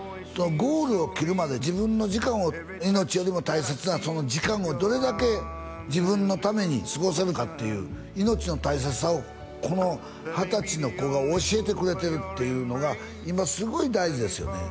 ゴールを切るまで自分の時間を命よりも大切なその時間をどれだけ自分のために過ごせるかっていう命の大切さをこの２０歳の子が教えてくれてるっていうのが今すごい大事ですよね